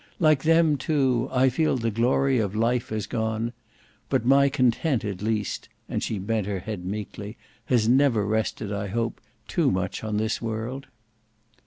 Like them too I feel the glory of life has gone; but my content at least," and she bent her head meekly, "has never rested I hope too much on this world."